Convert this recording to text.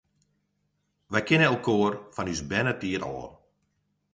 Wy kenne inoar fan ús bernetiid ôf.